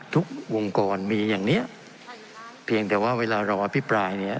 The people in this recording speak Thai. ทุกองค์กรมีอย่างเนี้ยเพียงแต่ว่าเวลารออภิปรายเนี่ย